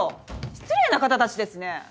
失礼な方たちですね。